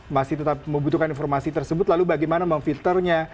masih tetap membutuhkan informasi tersebut lalu bagaimana memfilternya